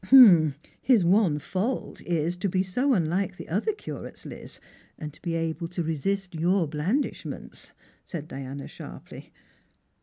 " His one fault is, to be so unlike the other curates, Liz, and able to resist your blandishments," said Diana sharply.